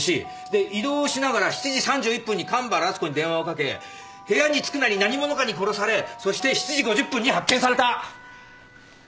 で移動しながら７時３１分に神原敦子に電話をかけ部屋に着くなり何者かに殺されそして７時５０分に発見された。